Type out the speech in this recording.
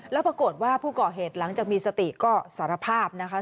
แล้วปรากฏว่าผู้ก่อเหตุหลังจากมีสติก็สารภาพนะคะ